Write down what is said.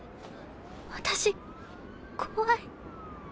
私怖い。